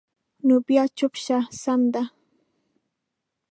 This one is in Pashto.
نو بیا چوپ شه، سمه ده.